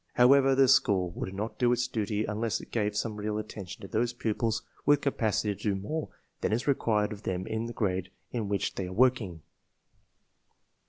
However, the school would not do its duty unless it gave some real CLASSIFICATION BY MENTAL ABILITY 41 attention to those pupils with capacity to do more than is required of them in the grade in which they are working.